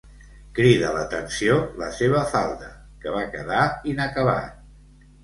Crida l'atenció la seva falda, que va quedar inacabat.